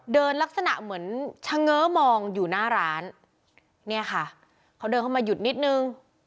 ลักษณะเหมือนชะเง้อมองอยู่หน้าร้านเนี่ยค่ะเขาเดินเข้ามาหยุดนิดนึง